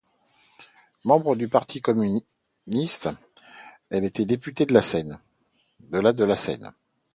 Membre du Parti communiste français, elle a été députée de la de la Seine.